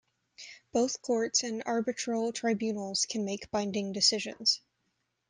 Both courts and arbitral tribunals can make binding decisions.